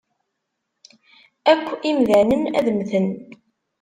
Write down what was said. Akk imdanen ad mmten.